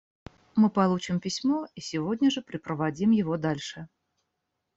Мы получим письмо и сегодня же препроводим его дальше.